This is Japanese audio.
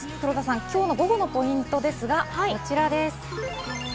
今日のゴゴのポイントですが、こちらです。